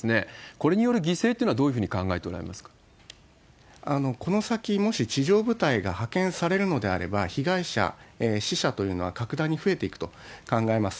これによる犠牲っていうのは、どういうふうに考えておられますかこの先、もし地上部隊が派遣されるのであれば、被害者、死者というのは格段に増えていくと考えます。